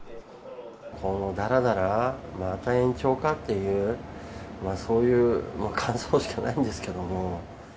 このだらだら、また延長かっていう、そういう感想しかないんですけども。